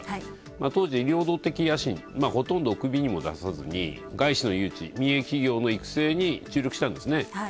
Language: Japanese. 当時、領土的野心、ほとんどおくびにも出さずに外資の誘致、民営企業の育成に注力したんですね。